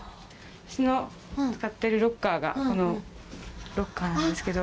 私の使ってるロッカーがこのロッカーなんですけど。